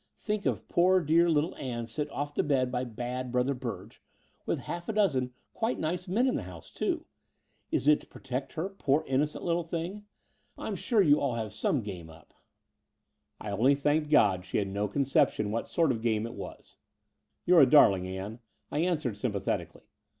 Think of poor dear little Ann sent off to bed by bad Brother Biu ge — ^with half a dozen quite nice men in the house, too ! Is it to protect her, poor innocent little thing? I'm sure you all have some game up*" The Dower House 285 I only thanked God she had no ccHiception what sort of game it was! "You're a darling, Ann," I answered sympa thetically.